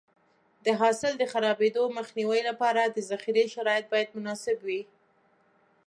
د حاصل د خرابېدو مخنیوي لپاره د ذخیرې شرایط باید مناسب وي.